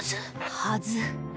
「はず」。